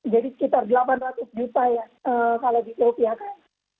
jadi sekitar delapan ratus juta ya kalau dikutihakan